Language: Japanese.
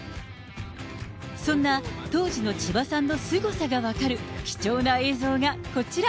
そんな当時の千葉さんのすごさが分かる、貴重な映像がこちら。